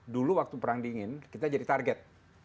dulu waktu perang dingin kita jadi target